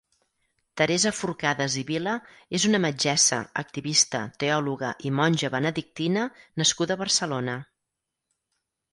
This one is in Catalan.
Teresa Forcades i Vila és una metgessa, activista, teòloga i monja benedictina nascuda a Barcelona.